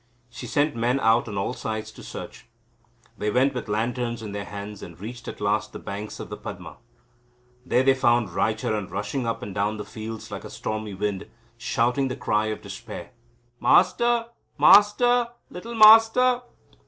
She sent men out on all sides to search. They went with lanterns in their hands, and reached at last the banks of the Padma. There they found Raicharan rushing up and down the fields, like a stormy wind, shouting the cry of despair: "Master, Master, little Master!"